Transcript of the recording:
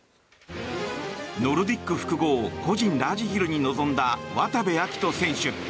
ノルディック複合個人ラージヒルに臨んだ渡部暁斗選手。